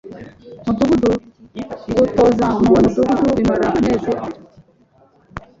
Mudugudu. Gutoza mu Mudugudu bimara amezi atatu